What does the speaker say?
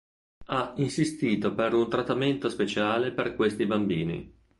Ha insistito per un "trattamento speciale" per questi bambini.